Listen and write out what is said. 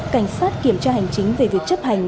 cảnh sát kiểm tra hành chính về việc chấp hành